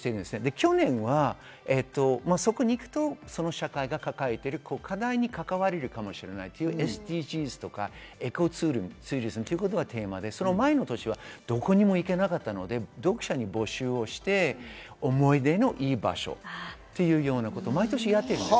去年はそこに行くと、その社会が抱えている課題に関われるかもしれないというＳＤＧｓとか、エコツーリズムということがテーマでその前の年は、どこにも行けなかったので読者に募集して思い出のいい場所というようなことを毎年やってます。